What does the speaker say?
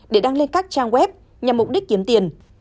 để đăng lên các trang web nhằm mục đích kiếm tiền